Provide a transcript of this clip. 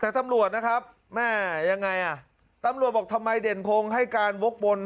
แต่ตำรวจนะครับแม่ยังไงอ่ะตำรวจบอกทำไมเด่นพงศ์ให้การวกวน